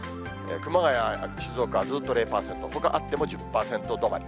熊谷、静岡、ずっと０％、ほかあっても１０％止まり。